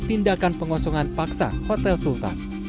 tindakan pengosongan paksa hotel sultan